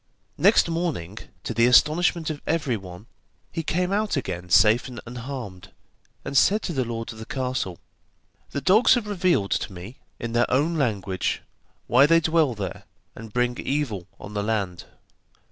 Next morning, to the astonishment of everyone, he came out again safe and unharmed, and said to the lord of the castle: 'The dogs have revealed to me, in their own language, why they dwell there, and bring evil on the land.